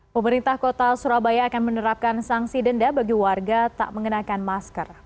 pemerintah kota surabaya akan menerapkan sanksi denda bagi warga tak mengenakan masker